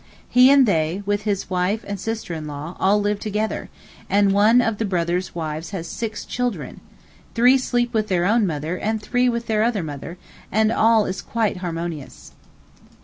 He and they, with his wife and sister in law, all live together, and one of the brother's wives has six children—three sleep with their own mother and three with their other mother—and all is quite harmonious.